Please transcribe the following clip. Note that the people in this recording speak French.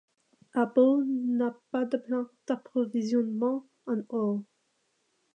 Aboh n’a pas de plan d’approvisionnement en eau.